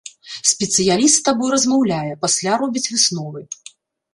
Спецыяліст з табой размаўляе, пасля робіць высновы.